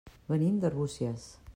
Venim d'Arbúcies.